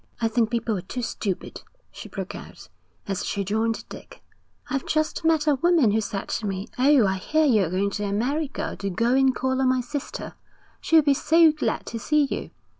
'I think people are too stupid,' she broke out, as she joined Dick. 'I've just met a woman who said to me: "Oh, I hear you're going to America. Do go and call on my sister. She'll be so glad to see you."